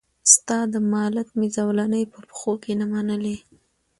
ستا د مالت مي زولنې په پښو کي نه منلې